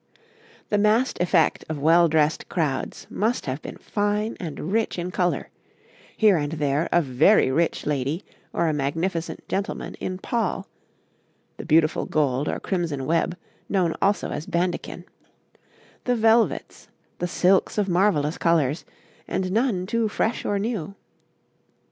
The massed effect of well dressed crowds must have been fine and rich in colour here and there a very rich lady or a magnificent gentleman in pall (the beautiful gold or crimson web, known also as bandekin), the velvets, the silks of marvellous colours, and none too fresh or new.